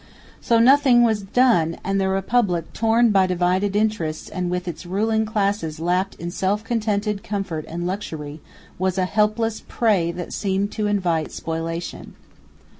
So nothing was done, and the Republic, torn by divided interests and with its ruling classes lapped in self contented comfort and luxury, was a helpless prey that seemed to invite spoliation.